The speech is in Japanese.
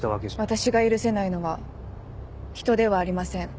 私が許せないのは人ではありません。